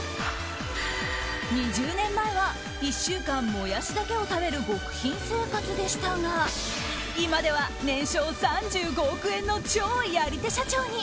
２０年前は１週間モヤシだけを食べる極貧生活でしたが今では、年商３５億円の超やり手社長に。